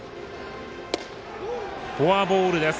フォアボールです。